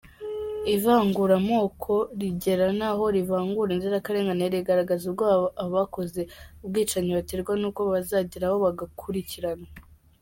“Ivanguramoko rigera naho rivangura inzirakarengane rigaragaza ubwoba abakoze ubwicanyi baterwa nuko bazageraho bagakuriranwa.